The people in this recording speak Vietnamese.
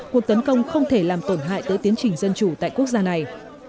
cuộc tấn công không thể làm tổn hại tới tiến trình dân chủ tại quốc gia này